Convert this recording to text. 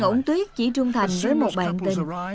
ngỗng tuyết chỉ trung thành với một bạn tình